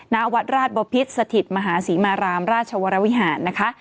ณวัดราชบพิษสถิตมหาศรีมารามราชวรวิหารนะคะ